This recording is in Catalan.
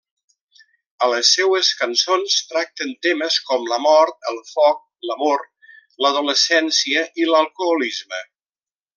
A les seues cançons tracten temes com la mort, el foc, l'amor, l'adolescència i l'alcoholisme.